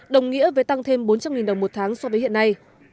đồng nghĩa với tăng thêm bốn trăm linh đồng một tháng so với hiện nay